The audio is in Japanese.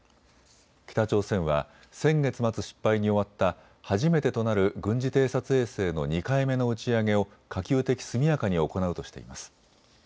北朝鮮は先月末、失敗に終わった初めてとなる軍事偵察衛星の２回目の打ち上げを可及的速やかに行うとしています。